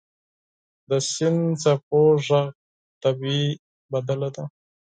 • د سمندر څپو ږغ طبیعي سندره ده.